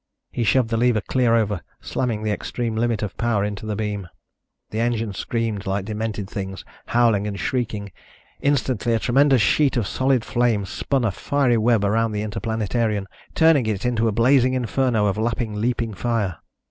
He shoved the lever clear over, slamming the extreme limit of power into the beam. The engines screamed like demented things, howling and shrieking. Instantly a tremendous sheet of solid flame spun a fiery web around the Interplanetarian, turning it into a blazing inferno of lapping, leaping fire.